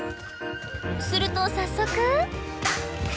すると早速。